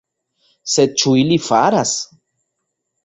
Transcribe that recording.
Sed ĉu ili faras?